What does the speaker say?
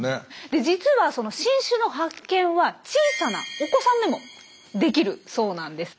で実は新種の発見は小さなお子さんでもできるそうなんです。